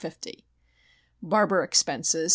50 Barber expenses